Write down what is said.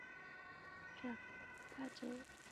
干元元年改霸州。